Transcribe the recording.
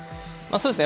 そうですね。